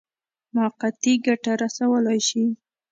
موقتي ګټه رسولای شي.